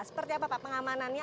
seperti apa pak pengamanannya